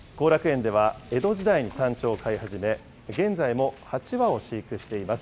後楽園では江戸時代にタンチョウを飼い始め、現在も８羽を飼育しています。